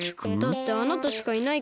だってあなたしかいないから。